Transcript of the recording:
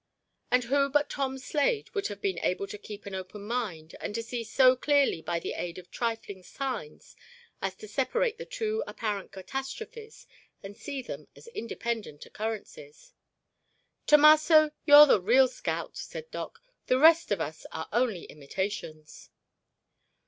And who but Tom Slade would have been able to keep an open mind and to see so clearly by the aid of trifling signs as to separate the two apparent catastrophes and see them as independent occurrences? "Tomasso, you're the real scout," said Doc. "The rest of us are only imitations."